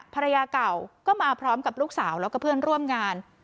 ภรรยาเก่าก็มาพร้อมกับลูกสาวแล้วก็เพื่อนร่วมงาน